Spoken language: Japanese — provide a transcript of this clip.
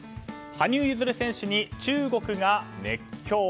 羽生結弦選手に中国が熱狂。